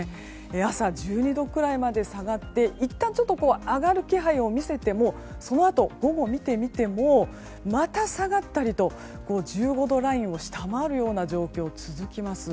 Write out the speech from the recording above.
朝は１２度くらいまで下がっていったん上がる気配を見せてもそのあと午後を見てみてもまた下がったりと１５度ラインを下回るような状況が続きます。